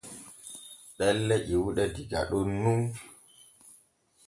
Ɗelle ƴiwuɗe diga ɗon nun.